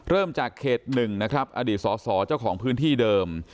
เริ่มจากเขต๑นะครับอดีตสอสอเจ้าของพื้นที่เดิม